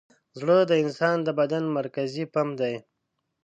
زړه د انسان د بدن مرکزي پمپ دی.